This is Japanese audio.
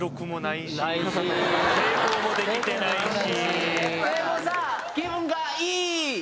成功もできてないし。